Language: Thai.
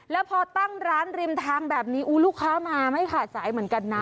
แล้วพอตั้งร้านริมทางแบบนี้ลูกค้ามาไม่ขาดสายเหมือนกันนะ